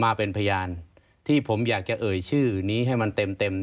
มาเป็นพยานที่ผมอยากจะเอ่ยชื่อนี้ให้มันเต็ม